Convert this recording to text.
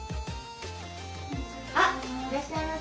あっいらっしゃいませ。